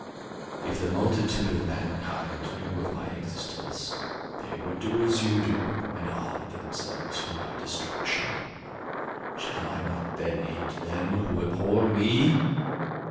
If the multitude of mankind knew of my existence, they would do as you do, and arm themselves for my destruction. Shall I not then hate them who abhor me?